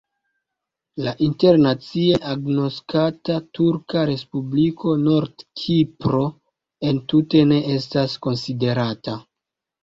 La internacie neagnoskata turka respubliko Nord-Kipro entute ne estas konsiderata.